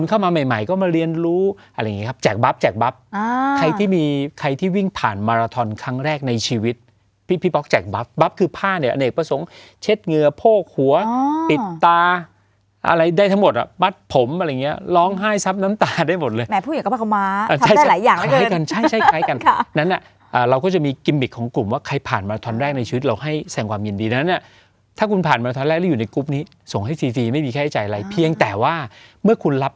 อะไรได้ทั้งหมดอะปัดผมอะไรอย่างเงี้ยร้องไห้ซับน้ำตาได้หมดเลยแหม่ผู้หญิงก็มาก็มาใช่ใช่คล้ายกันใช่ใช่คล้ายกันค่ะนั้นอ่ะอ่าเราก็จะมีกิมมิกของกลุ่มว่าใครผ่านมาท้อนแรกในชีวิตเราให้แสงความยินดีแล้วนั้นอ่ะถ้าคุณผ่านมาท้อนแรกแล้วอยู่ในกรุ๊ปนี้ส่งให้สี่สี่ไม่มีแค่ใจอะไรเพียงแต่ว่าเมื่อคุณร